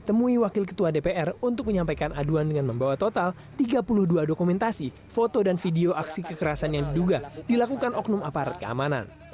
temui wakil ketua dpr untuk menyampaikan aduan dengan membawa total tiga puluh dua dokumentasi foto dan video aksi kekerasan yang diduga dilakukan oknum aparat keamanan